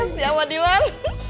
enes ya madiman